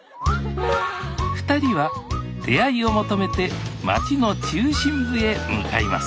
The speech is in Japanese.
２人は出会いを求めて町の中心部へ向かいます